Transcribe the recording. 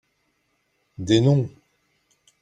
Des noms